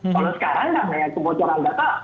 kalau sekarang kan ya kebocoran data